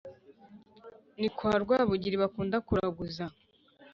ni kwa rwabugiri bakunda kuraguza